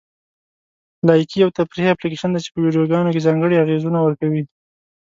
لایکي یو تفریحي اپلیکیشن دی چې په ویډیوګانو کې ځانګړي اغېزونه ورکوي.